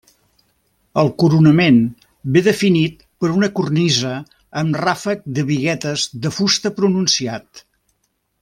El coronament ve definit per una cornisa amb ràfec de biguetes de fusta pronunciat.